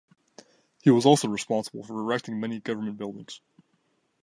He was also responsible for erecting many government buildings.